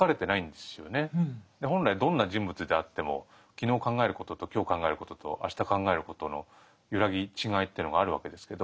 で本来どんな人物であっても昨日考えることと今日考えることと明日考えることの揺らぎ違いっていうのがあるわけですけど。